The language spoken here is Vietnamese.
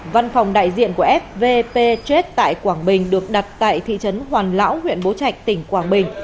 văn phòng đại diện của fvp check tại quảng bình được đặt tại thị trấn hoàn lão huyện bố trạch tỉnh quảng bình